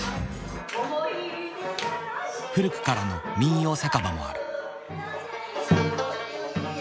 古くからの民謡酒場もある。